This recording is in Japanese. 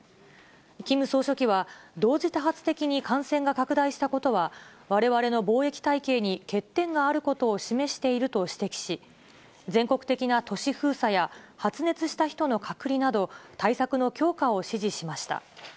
キム総書記は、同時多発的に感染が拡大したことは、われわれの防疫体系に欠点があることを示していると指摘し、全国的な都市封鎖や、発熱した人の隔離など、対策の強化を指示しました。